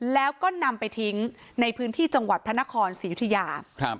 แล้วก็นำไปทิ้งในพื้นที่จังหวัดพระนครศรียุธยา